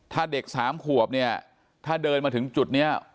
ถ้าเด็กสามขวบเนี่ยถ้าเดินมาถึงจุดนี้